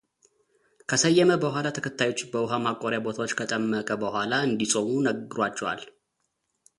ከሰየመ በኋላ ተከታዮቹን በውሃ ማቆሪያ ቦታዎች ከጠመቀ በኋላ እንዲጾሙ ነግሯቸዋል።